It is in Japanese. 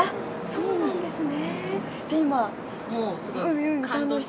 そうなんですね。